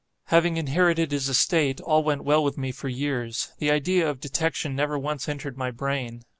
Having inherited his estate, all went well with me for years. The idea of detection never once entered my brain.